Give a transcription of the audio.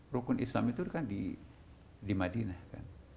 rukun islam itu kan di madinah kan